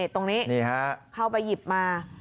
ตรงนี้เข้าไปหยิบมา